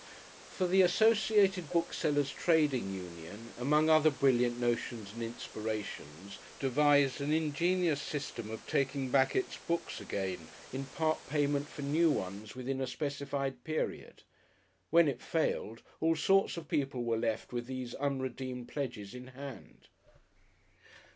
For the Associated Booksellers' Trading Union, among other brilliant notions and inspirations, devised an ingenious system of taking back its books again in part payment for new ones within a specified period. When it failed, all sorts of people were left with these unredeemed pledges in hand.